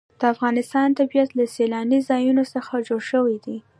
د افغانستان طبیعت له سیلانی ځایونه څخه جوړ شوی دی.